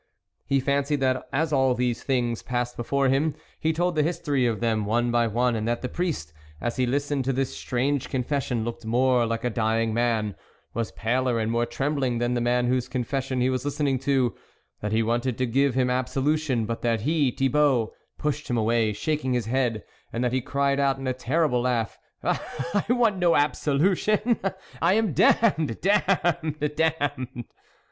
He fancied that as all these things passed before him, he told the history of them one by one, and that the priest, as he listened to this strange confession, looked more like a dying man, was paler and more trembling than the man whose confession he was listening to ; that be wanted to give him absolution, but that he, Thi baubt, pushed him away, shaking his head, and that he cried out with a terrible laugh :" I want no absolution ! I am damned ! damned ! damned